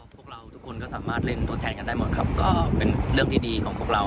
พวกเราทุกคนก็สามารถเล่นตัวแทนกันได้หมดครับก็เป็นเรื่องที่ดีของพวกเรา